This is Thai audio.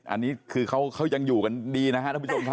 อันนี้คือเขายังอยู่กันดีนะครับผู้ชม